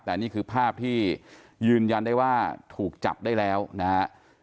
แต่นี่คือภาพที่ยืนยันได้ว่าถูกจับได้แล้วนะฮะ